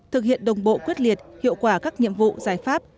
thực hiện đồng bộ quyết liệt hiệu quả các nhiệm vụ giải pháp